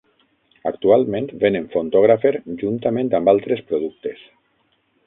Actualment venen Fontographer juntament amb altres productes.